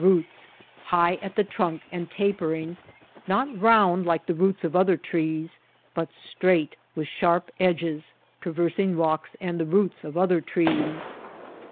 43 roots, high at the trunk and tapering, not round, like the roots of other trees, but straight, with sharp edges, traversing rocks and the roots of other trees.